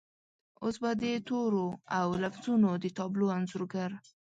اوس به د تورو او لفظونو د تابلو انځورګر